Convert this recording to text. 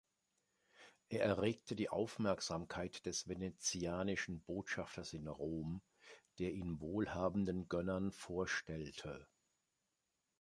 Er erregte die Aufmerksamkeit des venetianischen Botschafters in Rom, der ihn wohlhabenden Gönnern vorstellte.